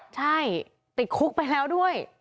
ใช่ติดคุกไปแล้วด้วย